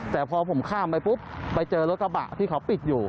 แต่พอผมข้ามไปปุ๊บไปเจอรถกระบะที่เขาปิดอยู่